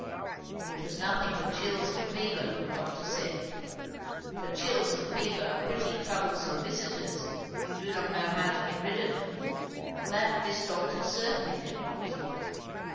It was nothing but chills and fever, the doctor said; but chills and fever are pretty troublesome visiters if you do not know how to get rid of them; and that this doctor certainly did not.